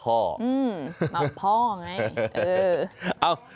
อืมกับพ่อไง